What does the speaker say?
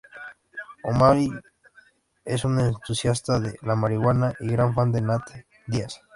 O'Malley es un entusiasta de la marihuana y gran fan de Nate Díaz.